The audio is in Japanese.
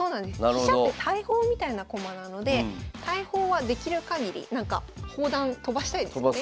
飛車って大砲みたいな駒なので大砲はできるかぎり砲弾飛ばしたいですよね。